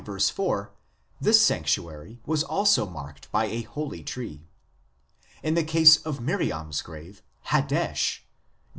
4, this sanctuary was also marked by a holy tree. In the case of Miriam s grave, Hadesh (Num.